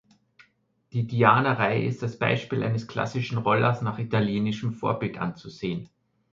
Die Diana-Reihe ist als Beispiel eines klassischen Rollers nach italienischem Vorbild anzusehen.